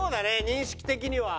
認識的には。